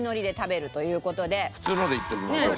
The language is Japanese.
普通のでいってみましょうか。